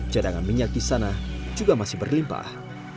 cadangan minyak di sana juga masih berlimpah